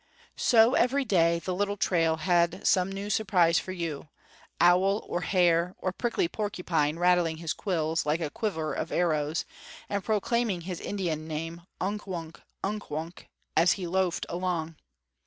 So every day the little trail had some new surprise for you, owl, or hare, or prickly porcupine rattling his quills, like a quiver of arrows, and proclaiming his Indian name, Unk wunk! Unk wunk! as he loafed along.